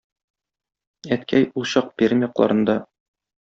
Әткәй ул чак Пермь якларында...